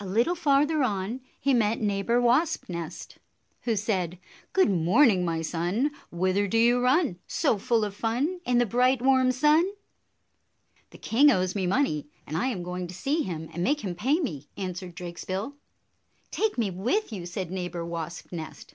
A little farther on he met Neighbor Wasp nest, who said, "Good morning, my son! Whither do you run, So full of fun, In the bright, warm sun?" "The king owes me money, and I am going to see him and make him pay me," answered Drakesbill. "Take me with you!" said Neighbor Wasp nest.